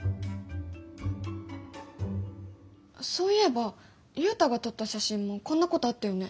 そういえばユウタが撮った写真もこんなことあったよね？